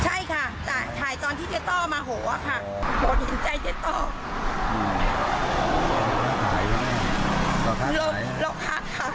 ใช่ค่ะถ่ายตอนที่เจ๊ต้อนมาโหวะค่ะ